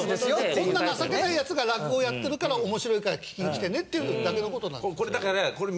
こんな情けないヤツが落語をやってるから面白いから聴きに来てねっていうだけの事なんですよ。